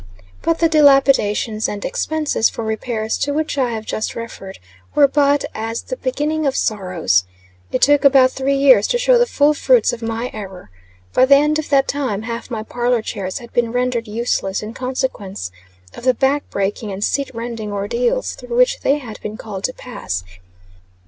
But the dilapidations and expenses for repairs, to which I have just referred, were but as the "beginning of sorrows." It took, about three years to show the full fruits of my error. By the end of that time, half my parlor chairs had been rendered useless in consequence of the back breaking and seat rending ordeals through which they had been called to pass.